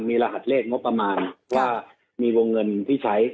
มีรหัสเลขงบประมาณว่ามีวงเงินที่ใช้